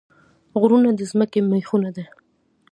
غرونه د ځمکې میخونه دي